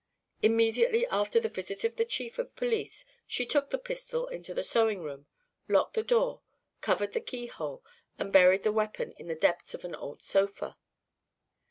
Immediately after the visit of the chief of police she took the pistol into the sewing room, locked the door, covered the keyhole, and buried the weapon in the depths of an old sofa.